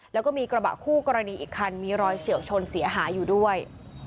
แล้วก็มีกระบะคู่กรณีอีกคันมีรอยเฉียวชนเสียหายอยู่ด้วย